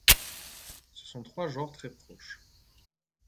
Ce sont trois genres très proches.